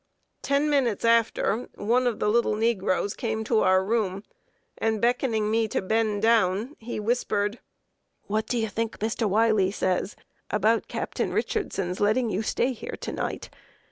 Ten minutes after, one of the little negroes came to our room, and, beckoning me to bend down, he whispered: "What do you think Mr. Wiley says about Captain Richardson's letting you stay here to night?